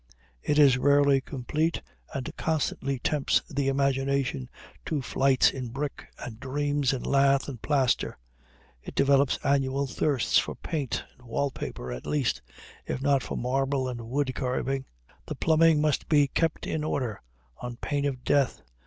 It is rarely complete, and constantly tempts the imagination to flights in brick and dreams in lath and plaster. It develops annual thirsts for paint and wall paper, at least, if not for marble and wood carving. The plumbing in it must be kept in order on pain of death.